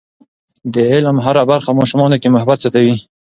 د علم هره برخه په ماشومانو کې محبت زیاتوي.